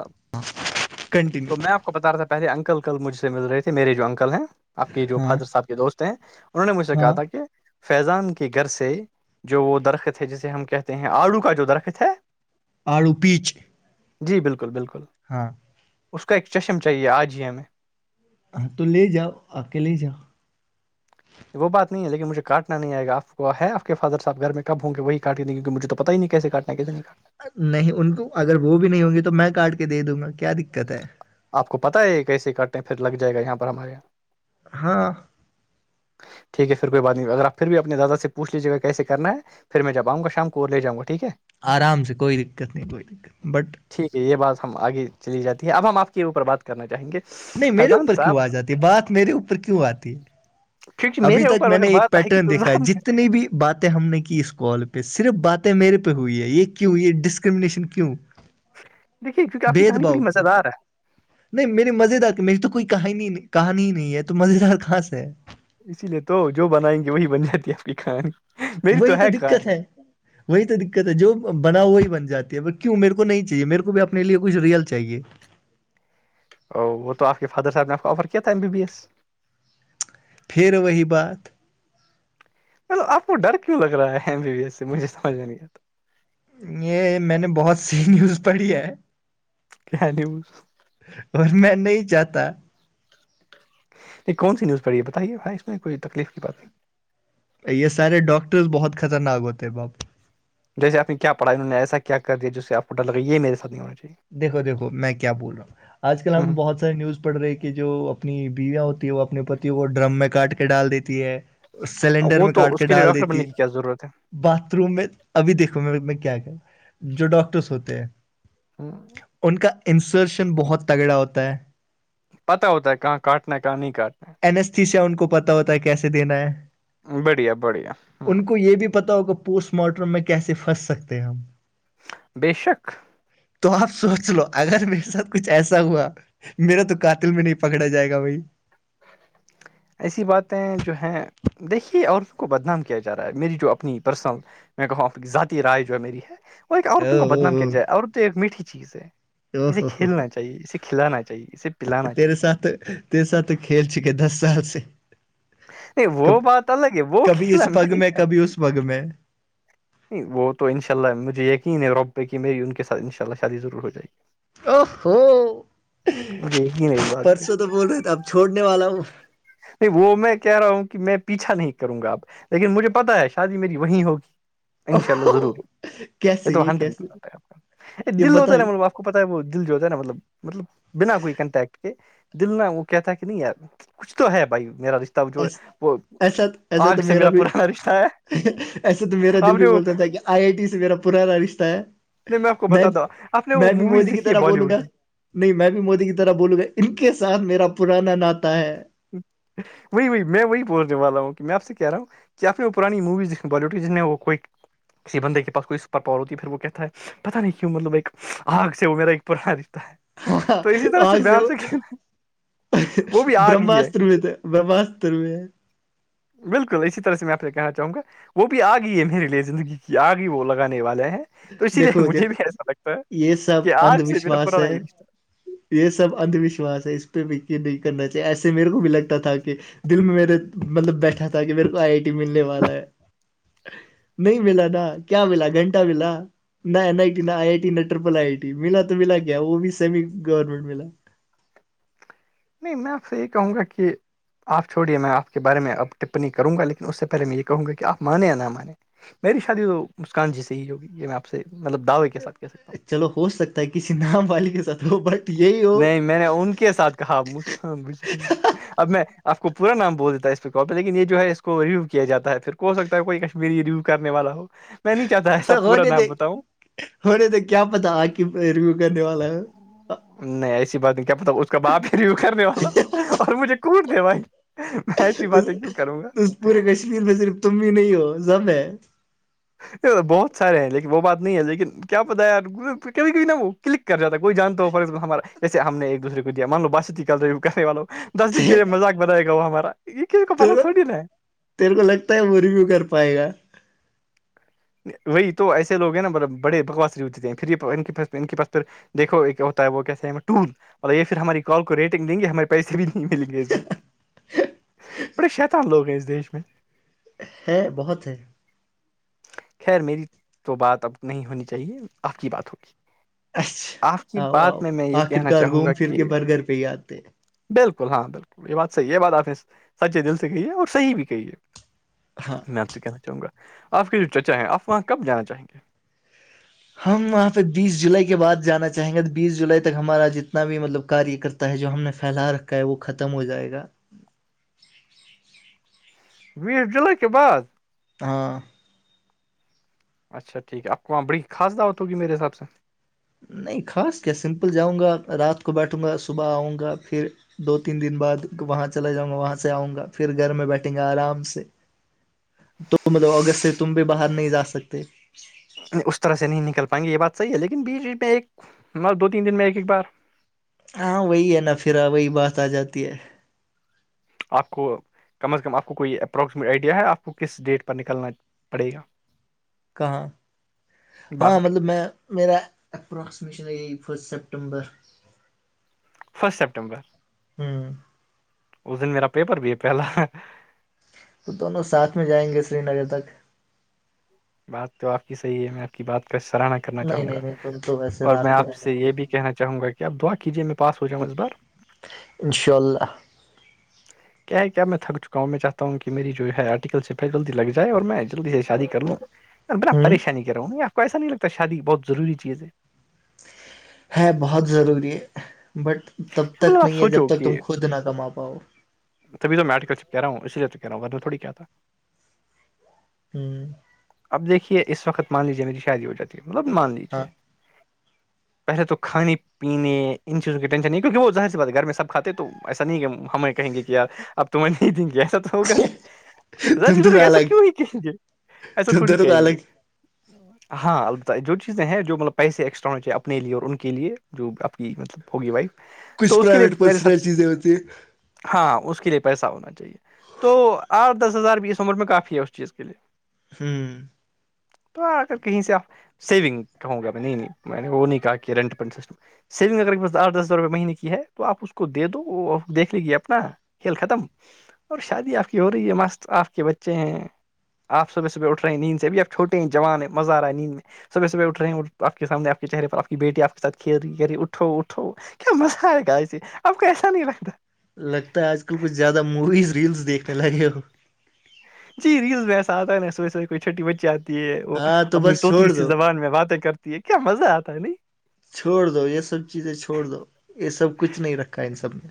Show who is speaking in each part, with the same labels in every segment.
Speaker 1: ا
Speaker 2: continue
Speaker 1: تو میں آپ کو بتا رہا تھا پہلے انکل کل مجھ سے مل رہے تھے میرے جو انکل ہیں آپ کے جو
Speaker 2: ہاں
Speaker 1: فادر صاحب کے دوست ہیں انہوں نے مجھ سے کہا
Speaker 2: ہاں
Speaker 1: تھا کہ فیضان کے گھر سے جو وہ درخت ہے جسے ہم کہتے ہیں آڑو کا جو درخت ہے
Speaker 2: آڑو پیچ
Speaker 1: جی بالکل بالکل
Speaker 2: ہاں
Speaker 1: اس کا ایک چشم چاہیے آجے ہمیں
Speaker 2: ہاں تو لے جاؤ آ کے لے جاؤ
Speaker 1: وہ بات نہیں لیکن مجھے کاٹنا نہیں آئے گ آپ کو ہےپ کے فادر صاحب گ میں کب ہوں گے وہی کاٹ د کیکہ مجے توتہ نہیں کیسے کاٹ لگی
Speaker 2: نہیں ان کو اگر وہ بھی نہیں ہوں گی تو میں کاٹ کے دے دوں گا کیا دقت ہے
Speaker 1: آپ کو پتا ہے یہ کیسے کاٹتے ہیں پھر لگ جائے گا یہاں پر ہمارے یہاں
Speaker 2: ہاں
Speaker 1: ٹھیک ہے پھر کوئی بات نہیں اگر آپ پھر اپنے داد سےوچھ لیجیے گا کیس کرنا ہے پھر میں جب آں گا شام کو لے جاؤںا ٹھیک ہے
Speaker 2: آرام سے کوئی دقت نہیں کوئی دقت بٹ
Speaker 1: ٹھیک ہے یہ بات ہم آگے چلی جاتی ہے اب ہم آپ کے اوپر بات کرنا چاہیں گے
Speaker 2: نہیں میرے
Speaker 1: فیضان
Speaker 2: اوپر
Speaker 1: صاحب
Speaker 2: کیوں آ جاتی بات میرے اوپر کیوں آتی
Speaker 1: کیونکہ
Speaker 2: ابھی
Speaker 1: میرے
Speaker 2: تک
Speaker 1: اوپر
Speaker 2: میں
Speaker 1: اگر
Speaker 2: نے ایک
Speaker 1: بات آئے گی
Speaker 2: پیٹرن
Speaker 1: تو
Speaker 2: دیکھا ہے
Speaker 1: زم
Speaker 2: جتنی بھی باتیں ہم نے کی اس کال پہ صرف باتیں میرے پہ ہوئی ہے یہ کیوں یہ ڈسکرمنیشن کیوں
Speaker 1: دیکھیے کیونکہ آپ کی
Speaker 2: بھید
Speaker 1: کہانی
Speaker 2: بھاؤ
Speaker 1: بڑی مز
Speaker 2: کیوں
Speaker 1: دار ہے
Speaker 2: نہیں میرے مز دار میری تو کوئی کہانی کہانی ہی نہیں ہے تو مز دار کہاں سے ہے
Speaker 1: اسی لیے تو جو بنائیں گے وہی بن جاتی ہے آپ کی کانی میری تو ہے کھانی
Speaker 2: وہی تو دقت ہے جو بنا ہو وہی بن جاتی ہے کیوں میرے کو نہیں چاہیے میرے کو بھی اپنے لیے کچھ ریئل چاہیے
Speaker 1: او وہ تو آ کے فادر صح نے آفر کی تھا ایم بی ایس
Speaker 2: پھر وہی بات
Speaker 1: ل آپ کو ڈر کیوں لگ رہا ہے ایم بی ایس سے مجھے سجھ میں نہیں آتا
Speaker 2: یہ میں نے بہت سی نیوز پڑھی ہے
Speaker 1: کیا نوز
Speaker 2: اور میں نہیں چاہتا
Speaker 1: یہ کون سی نیوز پڑی ہے بتائیےائی اس میں کوئی تکلیف کی بات نہیں
Speaker 2: یہ سارے ڈاکٹرس بہت خطرناک ہوتے باپ
Speaker 1: جیس آپ نے کیا پڑھا انہوں نے ایسا کیا کر دیا جس آپ کو ڈرگے یہ میرے ساتھ ہونا چاہیے
Speaker 2: دھو دیکو میں کیا بول رہا ہوں آج کل ہم بہت نیوز پڑ رہی ہے کہ جو اپنی بیویاں ہوتی ہے وہ اپنے پتی کو ڈرم میں کاٹ کے ڈال دیتی ہے
Speaker 1: ہوں،
Speaker 2: سلینڈر
Speaker 1: وہ
Speaker 2: میں
Speaker 1: تو
Speaker 2: کاٹ
Speaker 1: اس
Speaker 2: کے
Speaker 1: لیے
Speaker 2: ڈال
Speaker 1: ڈاکٹر
Speaker 2: دیتی
Speaker 1: بننے
Speaker 2: ہے
Speaker 1: کی کیا ضرورت ہے
Speaker 2: باتھ روم میں ابھی دیکھو میں میں کیا کیا جو ڈاکٹرس ہوتے ہیں
Speaker 1: تو
Speaker 2: ان کا انسرشن بہت تگڑا ہوتا ہے
Speaker 1: پتا ہوتا ہے کہاں کاٹنا ہے کہاں نہیں کاٹنا ہے
Speaker 2: استسیا ان کو پتا ہوتا ہے کیسے دینا ہے
Speaker 1: ہے۔ بڑھیا بڑھیا ہ
Speaker 2: ان کو یہ بھی پتا ہو کہ پوسٹ مارٹم میں کیسے پھنس سکتے ہیں ہم
Speaker 1: بے شک
Speaker 2: تو آپ سوچ لو اگر میرے ساتھ کچھ ایسا ہوا میرا تو قاتل میں نہیں پکڑا جائے گا بھائی
Speaker 1: اچھا ایسی باتیں جو ہیں دیکھیے عورتوں کو بدنام کیا جا رہا ہے میری جو اپنی پرسنل میں کہوں ذاتی رائے جو ہے میری ہے وہ ایک عورتوں
Speaker 2: او
Speaker 1: کو
Speaker 2: او
Speaker 1: بدنام کیا
Speaker 2: او
Speaker 1: جائے عورت ایک میٹھی چیز ہے
Speaker 2: او
Speaker 1: اسے
Speaker 2: ہو ہو ہو۔
Speaker 1: کھیلنا چاہیے اسے کھلانا چاہیے اسے پلانا چاہیے
Speaker 2: سات [unintelligible] تی سااتھ تو کھیل چکے دس سال سے
Speaker 1: نہیں
Speaker 2: کب
Speaker 1: وہ بات الگ ہے وہ
Speaker 2: کبھی اس
Speaker 1: کھیلا میں
Speaker 2: پگ
Speaker 1: نے
Speaker 2: کبھی اس پگ میں
Speaker 1: نہیں وہ تو ان شاء اللہ مجھے یقین ہے ربے کہ میری ان کے ساتھ ان شاء اللہ شادی ضرور ہو جائے گی
Speaker 2: او ہو
Speaker 1: مجھے یقین ہے اس بات پہ
Speaker 2: پرسوں تو بول رہے تھے اب چھوڑنے والا ہوں
Speaker 1: نہیں وہ میں کہہ رہا ہوں کہ میں پیچھا نہیں کروں گا اب لیکن مجھے پتا ہے شادی میری وہیں ہوگی
Speaker 2: او
Speaker 1: انشاء اللہ
Speaker 2: ہو،
Speaker 1: ضرور یہ
Speaker 2: کیسے
Speaker 1: تو ہنڈریڈ
Speaker 2: کیسے
Speaker 1: پرسینٹ ہے آپ کا یہ دل ہوتا ہے رہا ماپ کو پتا ہے وہ دل جو ہوتا نا مطلب مطلب بنا کوئی کنٹیکٹ کے دل نہ وہ کہتا کہ نہیں یار کچھ تو ہے بھائی میرا رشتہ تب جو ہے
Speaker 2: ایس-
Speaker 1: وہ آگ سے میرا پرانا رشتہ ہے
Speaker 2: ایسے تو میرا
Speaker 1: آپ
Speaker 2: دل بھی
Speaker 1: نے وہ
Speaker 2: بولتا تھا کہ آئی آئی ٹی سے میرا پرانا رشتہ ہے
Speaker 1: نہیں آپ کو
Speaker 2: میں بھی
Speaker 1: بتاتا ہوں آپ نے وہ
Speaker 2: میں بھی
Speaker 1: موویز
Speaker 2: مودی کی
Speaker 1: دیکھی ہے
Speaker 2: طرح
Speaker 1: بالی
Speaker 2: بولوں
Speaker 1: ووڈ
Speaker 2: گا
Speaker 1: کی
Speaker 2: نہیں میں بھی مودی کی طرح بولوں گا ان کے ساتھ میرا پرانا ناتا ہے
Speaker 1: وہی وہی میں وہی بولنے والا ہوں کہ م میں آف سے کہہ رہا ہوں کیافی وہ پرانی مویز بالیوڈ جن میں وہ کوئی کسی بندے کے پاس کوئی سپر پاور ہوتی ہے پھر وہ کہتا ہے پتا نہیں کیوں مطلب ایک آگ سے وہ میرا ایک پرانا رشتہ ہے
Speaker 2: ہاں
Speaker 1: تو اسی
Speaker 2: ب
Speaker 1: طرح سے میں
Speaker 2: سو
Speaker 1: آپ سے وہ بھی
Speaker 2: [unintelligible]
Speaker 1: آگ ہی ہے
Speaker 2: برہمستر میں تو برہمستر میں
Speaker 1: بالکل اسی طرح سے میں پھر کہنا چاہوں گا وہ بھی آگی ہے میرے لیے زندگی کی آگی وہ لگانے والا ہے تو اسی لیے
Speaker 2: دیکھو
Speaker 1: مجھے
Speaker 2: دیکھو
Speaker 1: بھی ایسا لگتا
Speaker 2: یہ
Speaker 1: ہے
Speaker 2: سب
Speaker 1: کہ آگ
Speaker 2: اندھ
Speaker 1: سے میرا
Speaker 2: وشواس
Speaker 1: پرانا
Speaker 2: ہے
Speaker 1: ہی رشتہ
Speaker 2: یہ سب اندھ وشواس ہے اس پہ بھی یہ نہیں کرنا چاہیے ایسے میرے کو بھی لگتا تھا کہ دل میں میرے مطلب بیٹھا تھا کہ میرے آئی ملنے والا ہے نہیں ملا نا کیا ملا گھنٹہ ملا نہین I T I I T نہٹرپل آئی آئی ٹی ملا تو ملا کیا وہ بھی سیمی گورنمنٹ ملا
Speaker 1: نہیں میں آپ سے یہی کہوں گا کہ آپ چھویے میں آپ کے بارے میں اب ٹپنی کروں گا لیکن اس سے پہلے میں یہ کہوں گا کہ آپ مانیں یا نہ مانے میری شادی تو مسکان جی سے ہی ہوگی یہ میں آپ سے مطلب دعوے کے ساتھ کہہ سکتا ہوں
Speaker 2: چلو ہو سکتا ہے کسی نام والی کے ساتھ ہو بٹ یہی ہو
Speaker 1: نہیں میں نے ان کے ساتھ کہا مسکان اب میں آپ کو پا نام بول دیتا اس پ کال پہ لیکن یہ جو ہے اس کو ریویو کیا جاتا ہے پھر ہو سکتا ہے کوئی کشمیری ریویو کرنے والا ہو میں نہیں چاہتا ایسا پورا
Speaker 2: ہونے
Speaker 1: نام
Speaker 2: دے
Speaker 1: بتاؤں
Speaker 2: ہمیں تو کیا پتا آ کی ریویو کرنے والا ہے
Speaker 1: نہیں ایسی بات نہیں کیا پتا اس کا باپ ہی ر کرنے والا اور مجھے کوٹ دے بھائی میں ایسی باتیں کیوں کروں گا
Speaker 2: اس پورے کشمیر میں صرف تم بھی نہیں ہو زم ہے
Speaker 1: بہت سارے ہیں لیکن وہ بات نہیں ہے لیکن کیا پتا یار کبھی کوئی نہا وہ کلک کر جاتا کوئی جانتا ہو ہمارا جسے ہم نے ایک دوسرے کو د مانو باشتیلی کرے والو دس دن کے
Speaker 2: تے-
Speaker 1: لیے مذاق بنائے گا وہ ہمارا یہ کز کو پتہ تھوڑی نا ہے
Speaker 2: تیر کو لگتا ہے وہ ریویو کر پائے گا
Speaker 1: وہی تو ایسے لوگ ہیں نا بڑے بکواسری ہوتے تھے پھر یہ ان کے ان کے پاس پ دیکو ایک ہوتا ہے وہ کیسے ٹور بول یہ پھر ہماری کال کو ریٹنگیں گے ہمارے پیسے بھی نہیں ملیں گے اس بات کے بڑے شیت ہ لوگ ہیں اس دیش میں
Speaker 2: ہے بہت ہے
Speaker 1: خیر میری تو بات اب نہیں ہونی چاہیے اپ کی بات ہوگی آپ کی
Speaker 2: اچھا آؤ آؤ
Speaker 1: بات میں میں یہ
Speaker 2: آخر
Speaker 1: کہنا
Speaker 2: کار
Speaker 1: چاہوں گا
Speaker 2: گھوم پھر
Speaker 1: کہ
Speaker 2: کے برگر پہ ہی آتے ہیں۔
Speaker 1: بالکل ہاں بالکل یہ بات صحیح یہ بات آپ نے سچے دل سے کہی ہے اور صحیح بھی کہی ہے
Speaker 2: ہاں
Speaker 1: آپ سے کہنا چاہوں گا آپ کے جو چچا ہے آپ وہاں کب جانا چاہیں گے
Speaker 2: ہم وہاں پہ بیس جولائی کے بعد جانا چاہیں گے بیس جولائی تک ہمارا جتنا بھی مطلباریہ کرتا ت ہے جو ہم نے پھیلا رکھا ہے وہ ختم ہو جائے گا
Speaker 1: بیس جولائی کے بعد
Speaker 2: ہاں
Speaker 1: اچھا ٹھیک ہے آپ وہاں بڑی خا دعتگی میرے حساب سے
Speaker 2: نہیں خاص کیا سمپل جاؤں گا رات کو بیٹھوں گا صبح آؤں گا پھر دو تین دن بعد وہاں چلا جاؤں گا وہاں سے آؤں گا پھر گھر میں بیٹھیں گا آرام سے تو مطلب اگست سے تم بھی باہر نہیں جا سکتے
Speaker 1: اس طرح سے نہیں نکل پائیں گے یہ بات صحیح ہے لیکن بیچ بیچ میں ایک مط دو تین دن میں ایک ایک بار
Speaker 2: ہاں وہی ہے نہ پھرا وہی بات آ جاتی ہے
Speaker 1: آ کو کم از کم آپ کو کوئی اپروکسیمیٹ آئیڈیا ہے آپ کو کس ڈیٹ پر نکلنا پڑے گا
Speaker 2: کہاں ہاں
Speaker 1: باہر
Speaker 2: مطلب میں میرا اپرکسیمیشن ہو فسٹ سپٹمبر
Speaker 1: فسٹ سپٹمبر
Speaker 2: ہوں
Speaker 1: اس دن میرا پیپر بھی ہے پہلا
Speaker 2: تو دونوں ساتھ میں جائیں گے سری نگر تک
Speaker 1: بات تو آپ کی صحیح ہے میں آپ کی بات کا سراہنا کرنا
Speaker 2: نہیں
Speaker 1: چاہوں گا
Speaker 2: نہیں نہیں تم تو ویسے
Speaker 1: اور
Speaker 2: رات
Speaker 1: میں
Speaker 2: کو
Speaker 1: آپ
Speaker 2: رہنے
Speaker 1: سے
Speaker 2: والے
Speaker 1: یہ بھی کہنا چاہوں گا کہ آ دعا کییے میں پاس ہو جاؤں اس بار
Speaker 2: انشاء اللہ
Speaker 1: ج کیا کیا م میں تھک چکا ہوں میں چاہتا ہوں کہ میری جو ہے آرٹیکل سے پ جلدی لگ جائے اور میں جلدی سے شادی کر لوں بنا
Speaker 2: ہوں
Speaker 1: پریشانی کر رہا ہوں یہ آپ کو ایسا نہیں لگتا شادی بہت روری چیز ہے
Speaker 2: ہے بہت ضروری ہے بٹ تب تک
Speaker 1: مطلب آپ
Speaker 2: نہیں ہے جب
Speaker 1: سوچو
Speaker 2: تک تم
Speaker 1: کہ
Speaker 2: خود نہ کما پاؤ
Speaker 1: تبھی تو بیٹھ کرب کہ رہا ہوں اس لیے تو کہہ رہ ہ ورن نے تھوڑی کیا تھا
Speaker 2: ہوں
Speaker 1: اب دیکھیے اس وقت مان لیجے میری شادی ہو جاتی ہے مطلب مان لیجیے
Speaker 2: ہاں
Speaker 1: پہلے تو کھانے پینے ان چیزوں کے ٹینشن نہیں کیونکہ وہ ظاہر س بات گھر میں سب کھے تو ایسا نہیں ہے ہمیں کہیں گے کہیارب تمہیں نہیں دیں گی ایسا تو ہوگا نہیں ذر
Speaker 2: تم
Speaker 1: اس
Speaker 2: دونوں
Speaker 1: میںک ایسا
Speaker 2: الگ
Speaker 1: کیوں ہی کہیں گے ایسا
Speaker 2: تم
Speaker 1: تھوڑی
Speaker 2: دونوں کا
Speaker 1: کہیں گے
Speaker 2: الگ
Speaker 1: اور ہاں البتہ جو چیزیں ہیں جو مطلب پیسے ایکسٹرا ہونے چاہیے اپنے لیے اور ان کے لیے جو آپ کی مطلب ہووگی بھ
Speaker 2: کچھ پرائیویٹ پرسنل چیزیں ہوتی ہیں
Speaker 1: ہاں اس کے لیے پیسہ ہونا چاہیے تو آٹ دس ہزار بیس عمر میں کافی ہے اس چیز کے لیے
Speaker 2: ہوں
Speaker 1: تو آ کر کہیں سے آ سیونگ کہوں گا میں نہیں میں نے وہ نہیں کہا کہ رینٹ پن سسٹم سیونگ اگر کی بس ٹ دس روپئے مہینے کی ہے تو آپ اس کو دے دو دیکھ لیجیے اپنا کھیل ختم اور شادی آپ کی ہو رہی ہے ماسٹر آپ کے بچے ہیں آپ صبح صبحٹ رہے نیند سے ابھیب چھٹے ہی ج جوان ہے مزہ آا ہے نیند میں صبح صبح اٹھے ہیں اور آ کے سامنے آ کے چہرے پر آ کی بیٹی آپ کے سھ کھی رہیھیری اٹھوٹو ہو کیا مزہ آئے گا ایے آپ کو ایسا نہیں رکھتا
Speaker 2: لگتا ہے آج کل کچھ زیادہ مویز ریلس دیکھنے لگے ہو
Speaker 1: جی ریلس میں ایسا آتا ن سو کوئی چھوٹی بچی آتی ہے وہ
Speaker 2: ہاں تو
Speaker 1: اپنی
Speaker 2: بس
Speaker 1: طوط
Speaker 2: چھوڑ
Speaker 1: سی
Speaker 2: دو
Speaker 1: زبان میں باتیں کرتے یہ کیا مزہ آتا ہے نی
Speaker 2: چھوڑ دو یہ سب چیزیں چھوڑ دو یہ سب کچھ نہیں رکھا ہے ان سب نے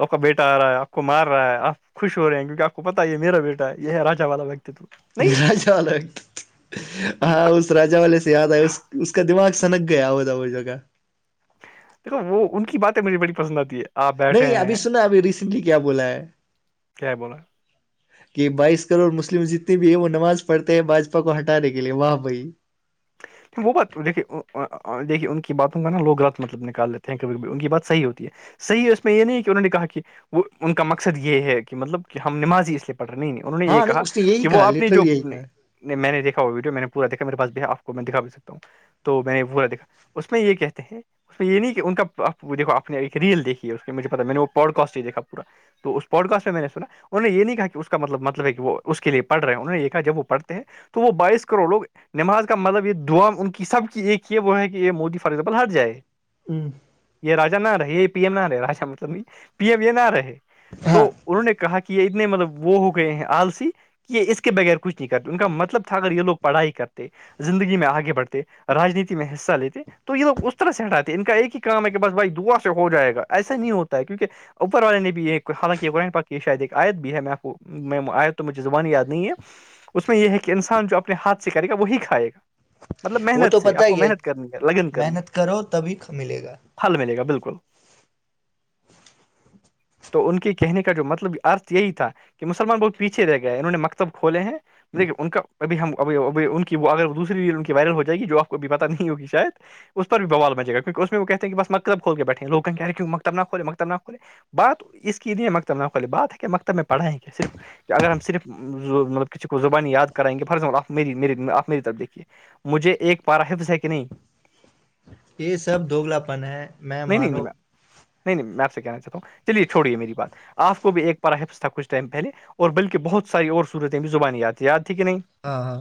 Speaker 1: وہ کا بیٹا آ رہا ہے آپ کو مار رہا ہے آپ خوش ہو رہے ہیں کیونکہ آ کو پتا ہے یہ میرا بیٹ ہے یہ ہے را والا وکتو
Speaker 2: نیرا چال ہاں اس راجا والے سے یاد آئے اس کا دماغ سنک گیا ہو ج وہ جگہ
Speaker 1: دیکھو وہ ان کی باتیں مجے بڑی پسند آتی ہے آپ بیٹھے
Speaker 2: نہیں ابھی
Speaker 1: ہیں
Speaker 2: سنا ابھی ریسنٹلی کیا بولا ہے
Speaker 1: کیا بولا
Speaker 2: کہ بائیس کروڑ مسلم جتنی بھی ہے وہ نماز پڑھتے ہیں باجپا کو ہٹانے کے لیے واہ بھائی
Speaker 1: وہ بات دیک دیکے ان کی باتوں کا نا لوگ رات مطلب نکال لیتے ہیں کھی ان کی بات صحی ہوتی ہے صحیح اس میں یہ نہیں کہ انہوں نے کہا کہ وہ ان کا مقصد یہ ہے کہ مطلب کہ ہم نمازی اس لیے پڑھ رہے ہی نہیں انہوں نے یہ
Speaker 2: ہاں نہیں
Speaker 1: کہا
Speaker 2: اس نے یہی
Speaker 1: کہ وہ
Speaker 2: کہا
Speaker 1: آپ نے جو
Speaker 2: لٹرل یہی کہا
Speaker 1: میں نے دیکھا وہ ویڈیو میں نے پورا دیکھا میرے پاس باف میں دکھا بھی سکتا ہوں تو میں نے پورا دکھا اس میں یہ کہتے ہیں اس یہ نہیں کہ ان کا دیکو اپ نے ایک ریل دیکھی ہے اس پہ مجھے پتا میں نے وہ پوڈ کاسٹ ہی دیکھا پا تو اس پوڈکسٹ میں نے سنا انہوں یہ نہیں کہا کہ اس کا مطلب مطلب ہے کہ وہ اس کے لیے پڑ رہے ہیں انہوں نے یہ کہا جب وہ پڑتے ہیں تو وہ بائیس کروڑ لوگ نماز کے مطلب یہ دا ان کی سب کی ایک یہ وہ ہے کہ یہ مودی فارگزامپل ہٹ جائے
Speaker 2: ہوں
Speaker 1: یہ راجا نہ رہے یہ پی ایم نہ رہے راجا مطلب نہیں پی ایم یہ نہ رہے
Speaker 2: ہاں
Speaker 1: تو انہوں نے کہا کہ یہ اتنے مطلب وہ ہو گئے ہیں آلسی یہ اس کے بغیر کچھ نہیں کرتے ان کا مطلب تھا اگر یہ لوگ پڑھائی کرتے زندگی میں آگے بڑتے رانیتی میں حصہ لیتے تو یہ لوگ اس طرح سے ہٹاتے ہیں ان کا ایک ہی کام ہے کہ بس بھائی دعا سے ہو جائے گا ایسا نہیں ہوتا ہے کیونکہ اوپر والے نے بھی حالانکہ شاید ایک آیت بھی ہے میں آیت تو مجھے زبان یاد نہیں ہے اس میں یہ ہے کہ انسان جو اپنے ہاتھ سے کرے گا وہی کھائے گا مطلب
Speaker 2: وہ
Speaker 1: محنت
Speaker 2: تو
Speaker 1: سے آپ
Speaker 2: پتا
Speaker 1: کو
Speaker 2: ہی ہے
Speaker 1: محنت کرنی ہے لگن کرنی ہے
Speaker 2: محنت کرو تبھی ملے گا
Speaker 1: پھل ملے گا بالکل تو ان کے کہنے کا جو مطلب ارت یہی تھا کہ مسلمان بہت پیھے رہ گئے انہوں نے مکتب کھولے ہیں یک ان کا ابھی ہم ان کی وہ اگر دوسری ری ان کی وائرل ہو جائے گی جو آپ کو اب پتہ نہیں ہوگی شاید اس پر بھی بوال بچےا کیونکہ میں وہ کہتے ہیں کہس مکدب کول کے بیٹھ لوگ کہہ رہ کیوںکب نہ کھے مکب نہ کھے بات اس کی نہیںے مکتب نخ والی بات ہے کہ مکتب میں پڑھائیں کیا صرف کہ اگر ہم صرف مطلب کسی کو زبانی یاد کرائیں گے فارگزامپل آپ می میری آپ میریرف دیکھیے مجھے ایک پارحفظ ہے کہ نہیں
Speaker 2: یہ سب دوگلا پن ہے میں
Speaker 1: نہیں نہیں
Speaker 2: مانو
Speaker 1: نہیں نہیں نہیں میں آپ سے کہنا چاہتا ہوں چلیے چوڑیے میری بات آپ کو بھی ایک پارا ہفس تھا کچھ ٹائم پہلے اور بلکہ بہت ساری اور صورتیں بھی زبان یادیں یاد تھی کہ نہیں
Speaker 2: ہاں ہاں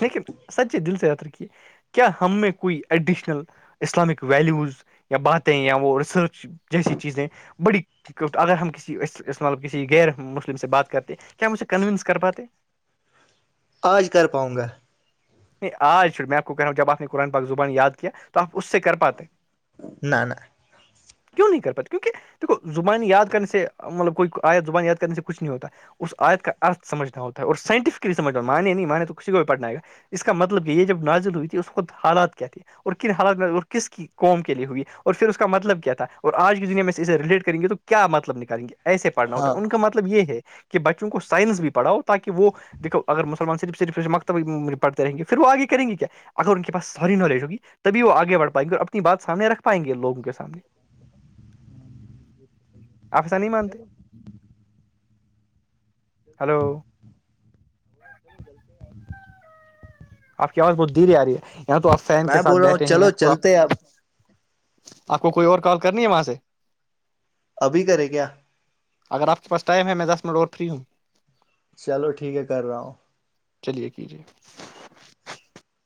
Speaker 1: لیکن سچے دل سے یاتر کی کیا ہم میں کوئی ایڈیشنل اسلامک ویلیوز یا باتیں یا وہ ریسرچ جیسی چیزیں بڑی اگر ہم کسی مطلب کسی غیر مسلم سے بات کرتے کیا ہم اسے کنونس کر پاتے
Speaker 2: آج کر پاؤں گا
Speaker 1: نہیں آج میں آ کواوں جب آپ نے قرآن پاک زبان یاد کیا آپ اس سے کر پاتے
Speaker 2: نہ نہ
Speaker 1: کیوں نہیں کر پاتے کیونکہ دیکھو زبان یاد کرنے سے مطلب کوئی آیا زبان یاد کرنے سے کچھ نہیں ہوتا اس آیت کا ارت سجھنا ہوتا ہے اور سائنٹیفکلی سجھنا منی نہیں مانے تو ک کو بھی پڑھنا آئےا اس کا مطلب یہ جب نازل ہوئی تھی اس خت حالات کیا تھے اور کن حالات میں اور کس کی قوم کے لیے ہوئی اور پھر اس کا مطلب کیا تھا اور آج کی دنیا میں اسے ریلیٹ کریں گی تو کیا مطلب نکالیں گ ایے پڑھنا ہوتا
Speaker 2: ہاں
Speaker 1: ہے ان کا مطلب یہ ہے کہ بچوں کو سائنس بھی پڑھاؤ تاکہ وہ دیکو اگر مسلمان صرف صرفمک پڑتے رہیں گے پھر وہ آگے کریں گی کیا اگر ان کے پاس ساری نالج ہوگی تھی وہ آگے بھ پائیں گے اور اپنی بات سامنے رکھ پائیں گےوگوں کے سامنے افذا نہیں مانتے
Speaker 2: چلو
Speaker 1: ہلو
Speaker 2: چلو چلتے آ
Speaker 1: آپ کی آواز بہت در آ رہی ہے یا تو آپ فین کے
Speaker 2: میں
Speaker 1: ساتھ
Speaker 2: بول رہا ہوں
Speaker 1: بیٹھے ہیں یا
Speaker 2: چلو
Speaker 1: تو آپ
Speaker 2: چلتے اب
Speaker 1: آپ کو کوئی اور کال کرنی ہے وہاں سے
Speaker 2: ابھی کرے کیا
Speaker 1: اگر آپ کے پاس ٹائم ہے میں دس منٹ اور فری ہوں
Speaker 2: چلو ٹھیک ہے کر رہا ہوں
Speaker 1: چلیے کیجیے